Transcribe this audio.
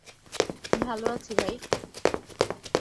ভালো আছি ভাই।